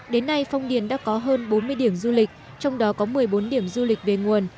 đến nay phong điền đã có hơn bốn mươi điểm du lịch trong đó có một mươi bốn điểm du lịch về nguồn